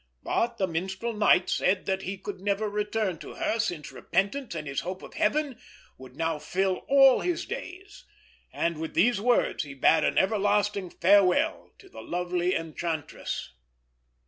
But the Minstrel Knight said that he could never return to her, since repentance and his hope of Heaven would now fill all his days; and with these words he bade an everlasting farewell to the lovely enchantress.